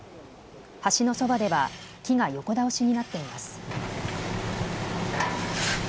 橋のそばでは木が横倒しになっています。